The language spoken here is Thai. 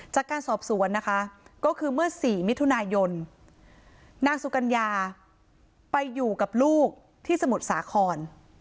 จากการสอบสวนนะคะก็คือเมื่อ๔มิถุนายนนางสุกัญญาไปอยู่กับลูกที่สมุทรสาคร